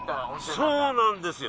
そうなんですよ！